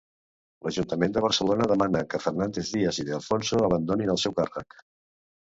L'Ajuntament de Barcelona demana que Fernández Díaz i De Alfonso abandonin el seu càrrec.